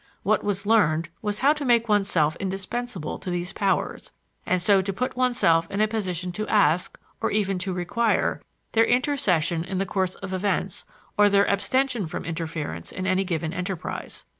What was learned was how to make oneself indispensable to these powers, and so to put oneself in a position to ask, or even to require, their intercession in the course of events or their abstention from interference in any given enterprise.